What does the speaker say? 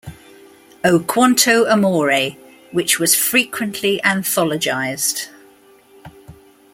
O quanto amore, which was frequently anthologised.